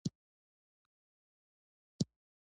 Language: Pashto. له بخت څخه مننه کوم او له روزګار څخه هم.